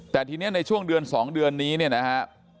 แต่ทีนี้ในช่วงเดือน๒เดือนนี้นะครับ